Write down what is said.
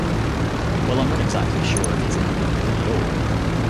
Well I’m not exactly sure if he’s in the loop with it all.